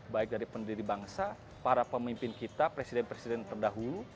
baik dari pendiri bangsa para pemimpin kita presiden presiden terdahulu